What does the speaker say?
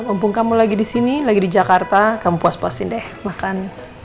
mumpung kamu lagi di sini lagi di jakarta kamu puas pasin deh makan